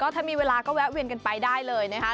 ถ้ามีเวลาก็แวะเวียนกันไปได้เลยนะคะ